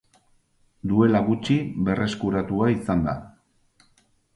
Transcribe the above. Duela gutxi berreskuratua izan da.